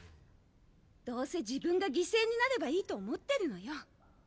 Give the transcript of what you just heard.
どうせ、自分が犠牲になればいいと思ってるのよ。